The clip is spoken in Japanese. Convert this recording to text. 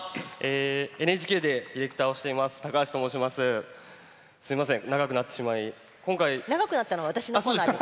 ＮＨＫでディレクターをしています高橋と申します。